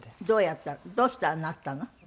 どうやったらどうしたらなったの？